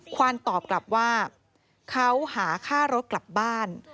ควานตอบกลับว่าเขาหาค่ารถกลับบ้าน